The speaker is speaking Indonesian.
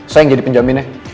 saya yang jadi penjaminnya